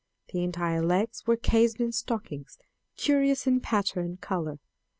The entire legs were cased in stockings, curious in pattern and color.